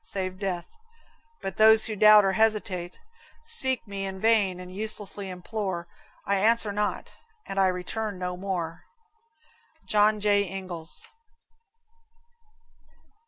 Save death; but those who doubt or hesitate, Seek me in vain and uselessly implore: I answer not, and I return no more. John J. Ingalls.